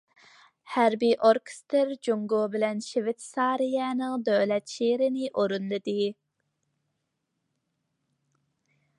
ھەربىي ئوركېستىر جۇڭگو بىلەن شىۋېيتسارىيەنىڭ دۆلەت شېئىرىنى ئورۇنلىدى.